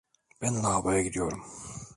Ben lavaboya gidiyorum.